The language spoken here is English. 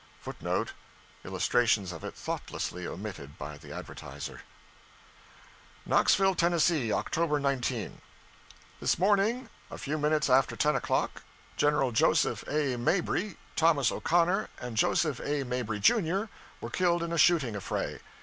{footnote [Illustrations of it thoughtlessly omitted by the advertiser: KNOXVILLE, Tenn., October 19. This morning a few minutes after ten o'clock, General Joseph A. Mabry, Thomas O'Connor, and Joseph A. Mabry, Jr., were killed in a shooting affray.